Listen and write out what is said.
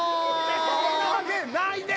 そんなわけないでしょ！